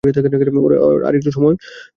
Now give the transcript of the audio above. ওর আরেকটু সময় দরকার।